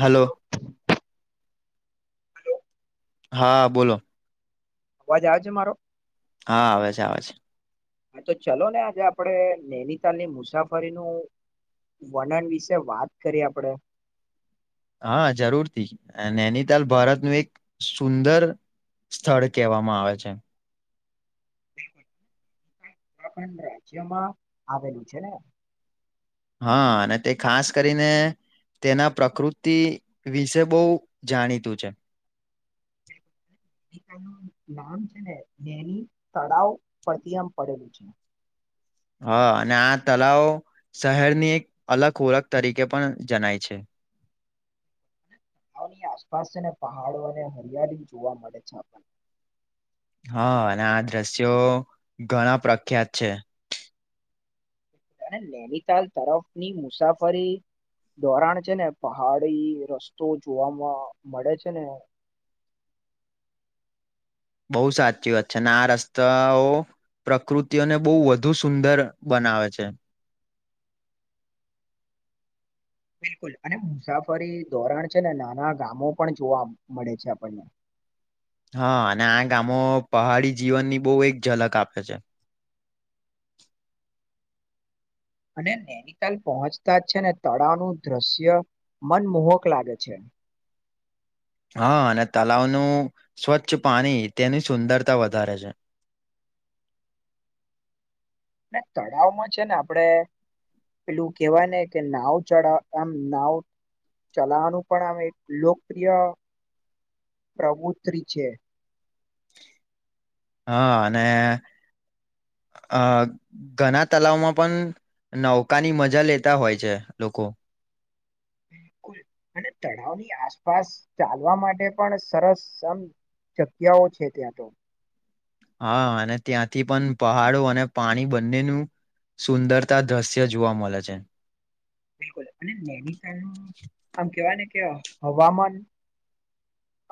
હાલો અવાજ હા, બોલો અવાજ આવ છે, મારો. હા, આવે છે, આવે છે. હા, તો ચલો ને આજે આપણેે, નૈનીતાલની મુસાફરીનું વણન વિશે, વાત કરી આપડે હા, જરૂરથી અને એનીતાલ ભારતનું એક સુંદર સ્થળ, કહેવામાં આવે છે. રાજ્યમાં, આવેલું છેને. હા, અને તે ખાસ કરીને તેના પ્રકૃતિ વિશે બહુ, જાણીતું છે. બ ના છેનેની, તળાવ પ્રથી આમ પડેલું છે. હા, અને આ તલાવ શહેરની, એક અલગ ઓળખ તરીકે પણ જણાય છે. હ ની આસપાસ અને પહાડો, અને હરિયાળી જોવા મળે છે. હા, અને આ દ્રશ્યો ઘણા પ્રખ્યાત છે. નૈનીતાલ, તરફની મુસાફરી ધોરાણ છે, ને પહાડી રસ્તો જોવાવામાં મળે છે, ને બહુ સાચી વાત છે, અને આ રસ્તા પ્રકૃતિઓને બહુ, વધુ સુંદર બનાવે છે. બિલકુલ અને મુસાફરી ધોરણ છે, ને નાના ગામો પણ જોવા મળે છે, આપણને હા, અને આ ગામો પહાડી જીવનની બહુ એક ઝલક આપે છે. અને નૈનીતાલ પહોંચતા જ છે ને તળાવનું દ્રશ્ય મનમોહક લાગે છે હા અને તલાવનું સ્વચ્છ પાણી તેની સુંદરતા વધારે છે ના તળાવમાં છે ને આપડે પેલું કેવા ને કે નાવ ચઢાવ એમ નાવ ચલાવાનું પણ આમ એક લોકપ્રિય પ્રવુતિ છે હા અને [unintelligible] અ ઘણા તલાવમાં પણ નૌકાની મજા લેતા હોય છે લોકો બિલકુલ અને તળાવની આસપાસ ચાલવા માટે પણ સરસ જગ્યાઓ છે ત્યાં તો હા અને ત્યાંથી પણ પહાડો અને પાણી બંનેનું સુંદરતા દ્રશ્ય જોવા મળે છે બિલકુલ અને નૈનીતાલનું આમ કેવાય ને કે હવામાન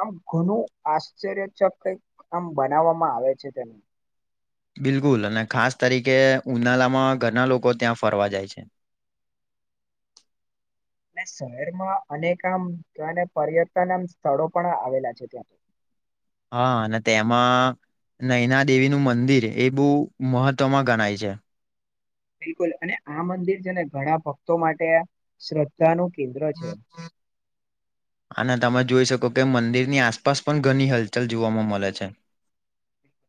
આમ ઘણું આશ્ચર્યચક કઈ આમ બનાવવામાં આવે છે તેને બિલકુલ અને ખાસ તરીકે ઉનાળામાં ઘરના લોકો ત્યાં ફરવા જાય છે [unintelligible] શહેરમાં અનેક આમ અને પર્યટન આમ સ્થળો પણ આવેલા છે ત્યાં તો [unintelligible] હા અને તે એમાં નૈના દેવીનું મંદિર એ બહુ મહત્વમાં ગણાય છે બિલકુલ અને આ મંદિર છે ને ઘણા ભક્તો માટે શ્રદ્ધાનું કેન્દ્ર છે અનેને તમે જોઈ શકો તો કે મંદિરની આસપાસ પણ ઘણી હલચલ જોવામાં મળે છે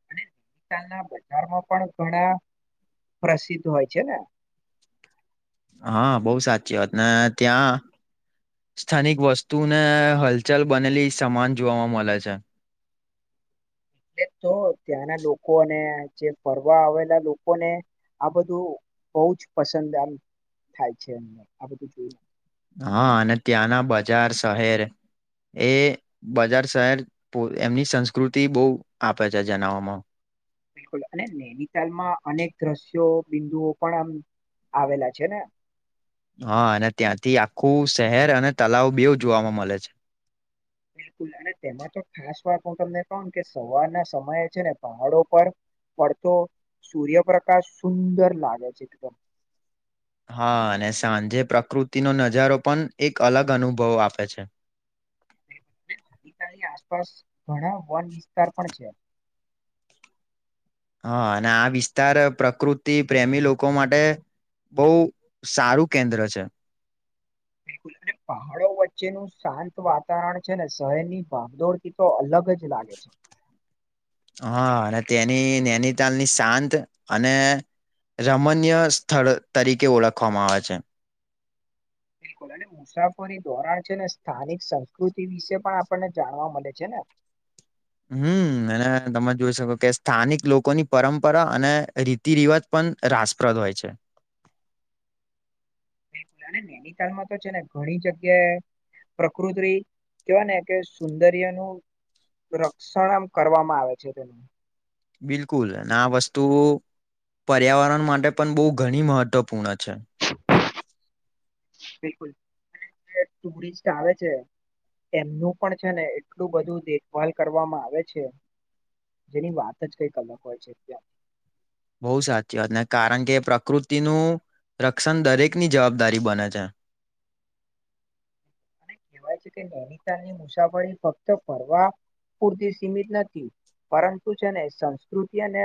અને ત્યાંના બજારમાં પણ ઘણા પ્રસિદ્ધ હોય છે ને હા બહુ સાચી વાત ને ત્યાં સ્થાનિક વસ્તુને હલચલ બનેલી સમાન જોવાવામાં મળે છે [unintelligible] એટલે તો ત્યાંના લોકોને જે ફરવા આવેલા લોકોને આ બધું બહ જ પસંદ આ થાય છે એમને આ બધું જોય હા અને ત્યાંના બજાર શહેર એ બજાર શહેર એમની સંસ્કૃતિ બહુ આપે છે જણવામાં બિલકુલ અને નૈનીતાલમાં અનેક દ્રશ્યો બિંદુઓ પણ આમ આવેલા છે ને હા અને ત્યાંથી આખું શહેર અને તલાવ બેવ જોવાવામાં મળે છે બિલકુલ અને તેમાં તો ખાસ વાત હું તમને કહું ને કે સવારના સમયે છે ને પહાડો પર પણ તો સૂર્યપ્રકાશ સુંદર લાગે છે એકદમ હા અને સાંજે પ્રકૃતિનો નજારો પણ એક અલગ અનુભવ આપે છે ની આસપાસ ઘણા વન વિસ્તાર પણ છે હા અને આ વિસ્તાર પ્રકૃતિ પ્રેમી લોકો માટે બહ સારું કેન્દ્ર છે [unintelligible] બિલકુલ અને પહાડો વચ્ચેનું શાંત વાતાવરણ છે ને શહેરની ભાગદોડથી તો અલગ જ લાગે છે હા અને તેની નૈનીતાલની શાંત અને રમણ્યય સ્થળ તરીકે ઓળખવામાં આવે છે [inaudible] બિલકુલ અને મુસાફરી ધોરણ છે ને સ્થાનિક સંસ્કૃતિ વિશે પણ આપણને જાણવા મળે છે ને [inaudible] હમ અને તમે જોઈ શકો કે સ્થાનિક લોકોની પરંપરા અને રીતિ રિવાજ પણ રાસપ્રદ હોય છે. બિલકુલ અને નેનીતાલમાં તો છે ને ઘણી જગ્યાએ પ્રકૃત્રી કેવાય ને કે સુંદર્યનુ રક્ષણ આમ કરવામાં આવે છે તેનું બિલકુલ અને આ વસ્તુ પર્યાવરણ માટે પણ બોવ ઘણી મહત્વપૂર્ણ છે. બિલકુલ અને ટુરિસ્ટ આવે છે. એમનું પણ છે ને એટલું બધું દેખભાલ કરવામાં આવે છે. જેની વાત જ કઈક અલગ હોય છે અત્યારે બોવ સાચી વાતને કારણ કે પ્રકૃતિનું રક્ષણ દરેકની જવાબદારી બને છે. અને કેહેવાય છે કે નૈનીતાની મુસાફરી ફક્ત ફરવા પૂરતી સીમિત નથી પરંતુ છે ને સંસ્કૃતિ અને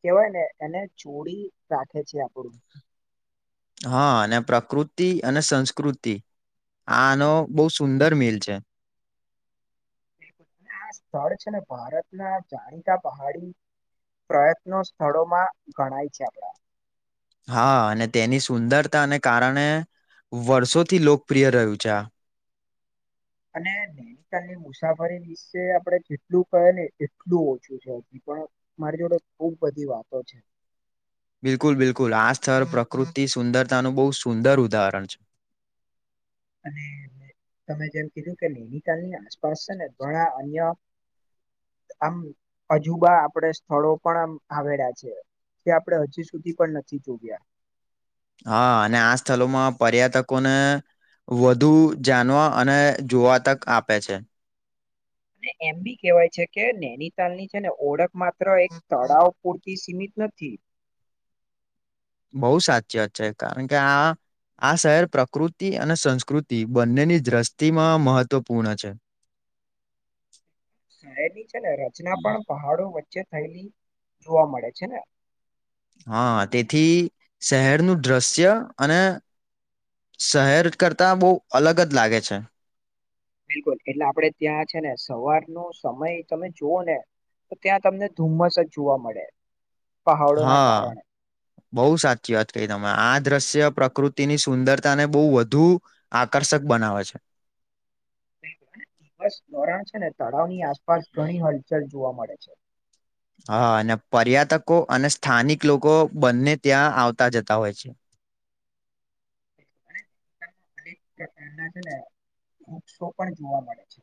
કેવાય ને એને જોળી રાખે છે આપણું હા અને પ્રકૃતિ અને સંસ્કૃતિ આનો બહુ સુંદર મિલ છે. આ સ્થળ છે ને ભારતના જાણીતા પહાડી પ્રયત્નો સ્થળોમાં ગણાય છે આપણા હા અને તેની સુંદરતાને કારણે વર્ષોથી લોકપ્રિય રહ્યું છે આ અને નૈનીતાલની મુસાફરી વિશે આપણે જેટલું કહે ને એટલું ઓછું છે. પણ મારી જોડે ખુબ બધી વાતો છે. બિલકુલ બિલકુલ આ સ્તર પ્રકૃતિ સુંદરતાનું બોવ સુંદર ઉદાહરણ છે. હ અને તમે જેમ કીધું કે નૈનીતાલની આસપાસ છે ને ઘણા અન્ય આમ અજુબા આપડે સ્થળો પણ આમ આવેલા છે. જે આપણે હજુ સુધી પણ નથી જોવ્યા હા અને આ સ્થલોમાં પર્યટકોને વધુ જાનવા અને જોવા તક આપે છે. અને એમ બી કેવાય છે કે નૈનીતાલની છે ને ઓળખ માત્ર એક તળાવ પૂર તી સીમિત નથી બોવ સાચી વાત છે કારણ કે આ આ શહેર પ્રકૃતિ અને સંસ્કૃતિ બંનેની દ્રષ્ટિમાં મહત્વપૂર્ણ છે. [inaudible] શહેરની છે ને રચના પણ પહાડો વચ્ચે થયેલી જોવા મળે છે ને હા તેથી શહેરનું દ્રશ્ય અને શહેર કરતાં બો અલગ જ લાગે છે. બિલકુલ એટલે આપડે ત્યાં છે ને સવારનો સમય તમે જુઓ ને તો ત્યાં તમને ધુમ્મસ જ જોવા મળે પહાડોના હા કારણે બહુ સાચી વાત કહી તમે આ દ્રશ્ય પ્રકૃતિની સુંદરતા ને બોવ વધુ આકર્ષક બનાવે છે. [inaudible] દિવસ દોરાણ છે ને તળાવની આસપાસ ઘણી હલચલ જોવા મળે છે. હા અને પર્યટકો અને સ્થાનિક લોકો બંને ત્યાં આવતા જતા હોય છે. [inaudible] અનેક પ્રકારના છે ને વૃક્ષો પણ જોવા મળે છે.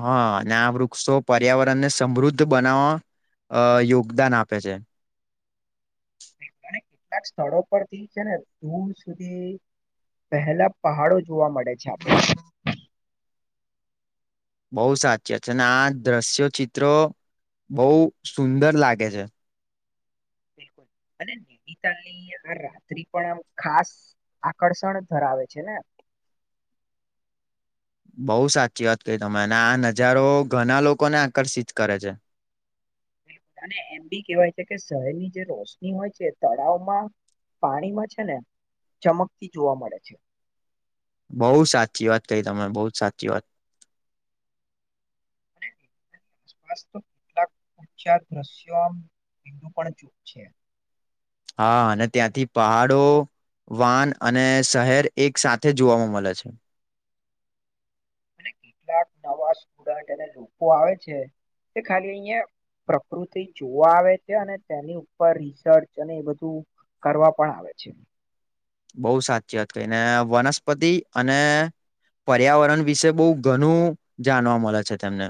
હા અને આ વૃક્ષો પર્યાવરણ ને સમૃદ્ધ બનાવવા અ યોગદાન આપે છે [inaudible] [inaudible] કેટલાક સ્થળો પરથી છે ને દૂર સુધી પહેલા પહાડો જોવા મળે છે આપણે બહુ સાચી છે અને આ દ્રશ્ય ચિત્રો બહુ સુંદર લાગે છે બિલકુલ અનેનીતાલની આ રાત્રિ પણ આ ખાસ આકર્ષણ ધરાવે છે ને બઉુ સાચી વાત કઈ તમે અને આ નજારો ઘણા લોકોને આકર્ષિત કરે છે [inaudible] [inaudible] બલુલ અને એમ બી કેવાય છે કે શહેરની જે રોશની હોય છે તળાવમાં [inaudible] પાણીમાં છે ને ચમકતી જોવા મળે છે બઉુ સાચી વાત કહી તમે બહુ જ સાચી વાત સપ તો કેટલાકચા દ્રશ્યોુ પણ ચૂપ છે [inaudible] હા અને ત્યાંથી પહાડો વાન અને શહેર એક સાથે જોવામાં મળે છે [inaudible] [inaudible] કેટલાક નવા સ્ટુડન્ટ અને લોકો આવે છે તે ખાલી અહં પ્રકૃતિ જોવા આવે છે અને તેની ઉપર રિસર્ચ અને એ બધું કરવા પણ આવે છે બહુ સાચી વાત કઈને વનસ્પતિ અને પર્યાવરણ વિશે બહુ ઘણું જાણવા મળે છે તેમને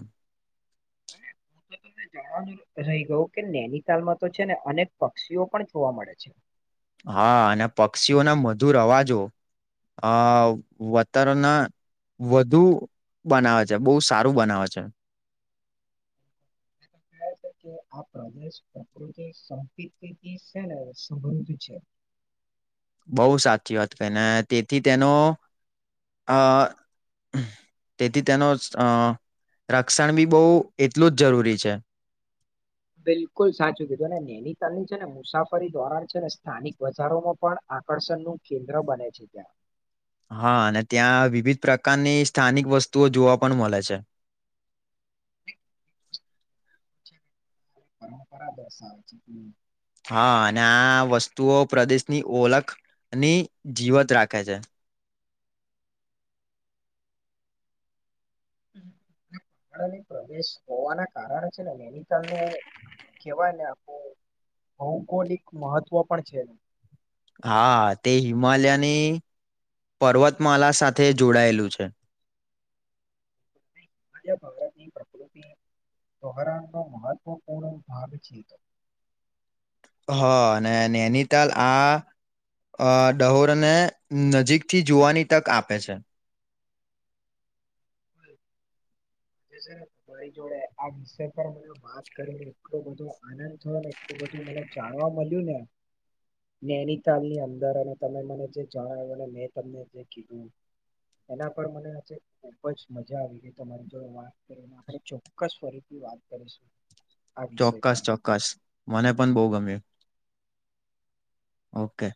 [inaudible] [inaudible] જાણવાનું રહી ગયું કે નૈનીતાાલમાં તો છે ને અનેક પક્ષીઓ પણ જોવા મળે છે હા અને પક્ષીઓના મધુર અવાજો આ વાતરના વધુ બનાવે છે બહુ સારું બનાવે છે [inaudible] [inaudible] પ્રકૃતિ સંપ સંબંધ છે [inaudible] બહુ સાચી વાત એને તેથી તેનો અ તેથી તેનો અ રક્ષણ બી બહુ એટલું જ જરૂરી છે બિલકુલ સાચું કીધું અને નૈનીતાલની છે ને મુસાફરી દોરાન છે ને સ્થાનિક બજારોમાં પણ આકર્ષણ નું કેન્દ્ર બને છે ત્યાં હા અને ત્યાં વિવિધ પ્રકારની સ્થાનિક વસ્તુઓ જોવા પણ મળે છે હ પરંપરા દર્શાવ છે હા અને આ વસ્તુઓ પ્રદેશની ઓલખ ની જીવત રાખે છે હમ [inaudible] ની પ્રવેશ હોવાના કારણે છે ને નૈનીતાલ નનું કેવાય ને આખું ભૌગોલિક મહત્વ પણ છે એનું હા તે હિમાલયાની પર્વતમાલા સાથે જોડાયેલું છે માજા ભરાની પ્રકૃતિ [inaudible] તોહરાનો મહત્વપૂર્ણ ભાગ છે હ અને નૈનીતાલ આ અ ડહોરને નજીકથી જોવાની તક આપે છે રી જોડે આ વિષ પર મ વાત કરીને એટલોું બધો આનંદ થયો નેલ તું મને જાણવા મળ્યું ને. ૈનીતાાલની અંદર અને તમે મને જે જણાવ્યુંને મેં તમને જે કીધું. એના પર મને ખુબ જ મજા આવી રઈ તોરી. જો વાત કરીને આપણે ચોક્કસ ફરીથી વાત કરીશું. આ વિષય ચોક્કસ પર ચોક્કસ મને પણ બહુ ગમ્યું. ઓકે.